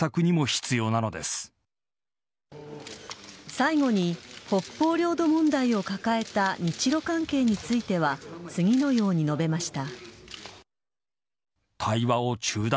最後に、北方領土問題を抱えた日露関係については次のように述べました。